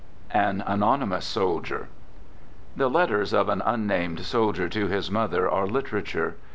AN ANONYMOUS SOLDIER The letters of an unnamed soldier to his mother are literature.